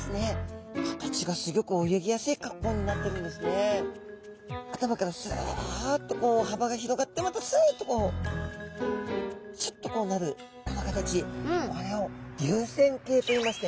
で特にこの頭からスッと幅が広がってまたスッとシュッとこうなるこの形これを流線形といいましたよね。